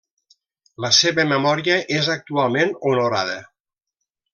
La seva memòria és actualment honorada.